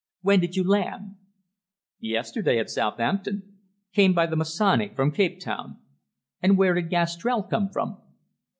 When did you land?" "Yesterday, at Southampton. Came by the Masonic from Capetown." "And where did Gastrell come from?"